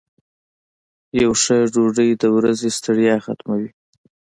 یو ښه ډوډۍ د ورځې ستړیا ختموي.